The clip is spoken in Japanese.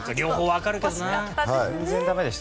全然駄目でした。